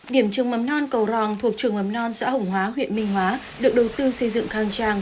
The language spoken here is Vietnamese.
điểm trường mắm non cầu ròn thuộc trường mắm non xã hủng hóa huyện minh hóa được đầu tư xây dựng khang trang